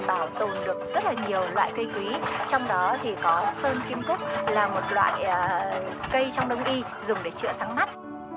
sơn kim cúc là một loại cây trong đồng y dùng để chữa sáng mắt